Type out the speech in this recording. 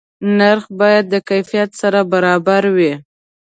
نرخ باید د کیفیت سره برابر وي.